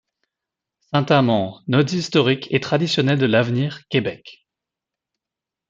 St -Amant, Notes Historique et Traditionnelles de L Avenir, Quebec.